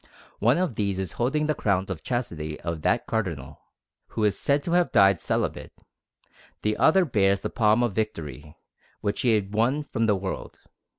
One of these is holding the crown of chastity of that Cardinal, who is said to have died celibate; the other bears the palm of victory, which he had won from the world.